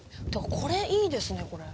これ、いいですね。